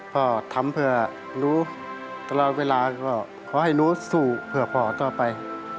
พ่อทำเพื่อรู้ตลอดเวลาก็ขอให้หนูสู้เพื่อพ่อต่อไป